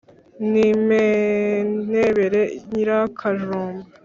n'impenebere nyirakajumba